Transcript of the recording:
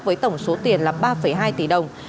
với tổng số tiền là ba hai tỷ đồng